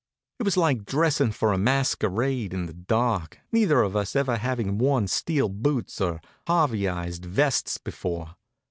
It was like dressing for a masquerade in the dark, neither of us ever having worn steel boots or Harveyized vests before.